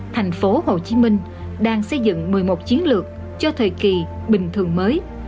thành phố hồ chí minh đang xây dựng một mươi một chiến lược cho thời kỳ bình thường mới